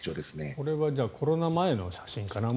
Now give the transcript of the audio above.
これはコロナ前の写真かな？